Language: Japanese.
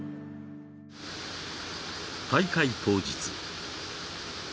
大会当日。